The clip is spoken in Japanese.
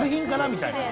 みたいな。